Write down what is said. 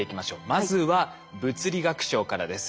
まずは物理学賞からです。